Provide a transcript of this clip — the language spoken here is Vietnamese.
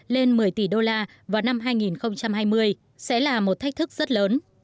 lên một mươi tỷ đô la vào năm hai nghìn hai mươi sẽ là một thách thức rất lớn